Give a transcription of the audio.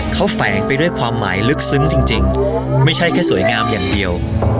เขาแฝงไปด้วยความหมายลึกซึ้งจริงไม่ใช่แค่สวยงามอย่างเดียว